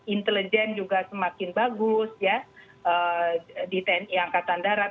intelijen juga semakin bagus ya di tni angkatan darat